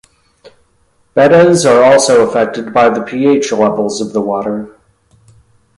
Bettas are also affected by the pH levels of the water.